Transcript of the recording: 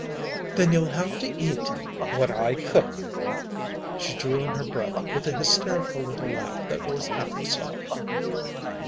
"Then you'll have to eat what I cook!" She drew in her breath with a hysterical little laugh that was half a sob.